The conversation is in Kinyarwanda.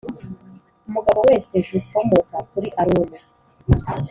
Umugabo wese j ukomoka kuri Aroni